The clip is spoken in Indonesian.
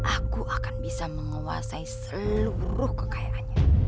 aku akan bisa menguasai seluruh kekayaannya